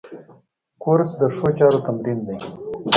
کورس د ښو چارو تمرین دی.